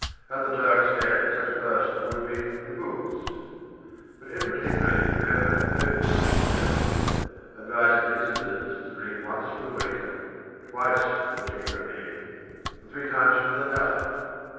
At the Turk's Head such a person would have been the boots. But Edward Henry remembered a notice under the bell, advising visitors to ring once for the waiter, twice for the chambermaid, and three times for the valet.